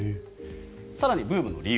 更に、ブームの理由